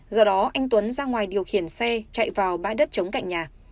do đó anh tuấn ra ngoài điều khiển xe chạy vào bãi đất chống cạnh nhà